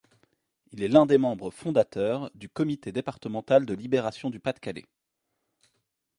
Il est l’un des membres fondateurs du Comité départemental de Libération du Pas-de-Calais.